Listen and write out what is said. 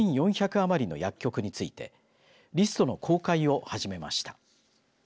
余りの薬局についてリストの公開を始めました。